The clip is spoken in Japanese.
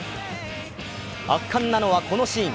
圧巻なのは、このシーン。